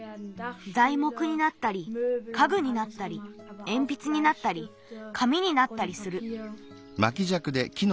ざいもくになったりかぐになったりえんぴつになったりかみになったりする。